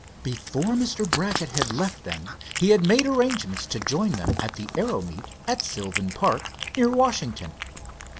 Before Mr. Brackett had left them, he had made arrangements to join them at the aero meet at Sylvan Park, near Washington.